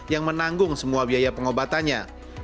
yang menanggung semua biaya pengobatannya